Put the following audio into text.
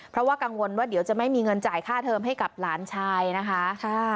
เพราะว่ากังวลว่าเดี๋ยวจะไม่มีเงินจ่ายค่าเทอมให้กับหลานชายนะคะ